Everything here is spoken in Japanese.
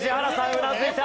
うなずいた。